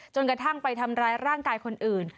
จนกระทั่งไปทำร้ายร่างกายคนอื่น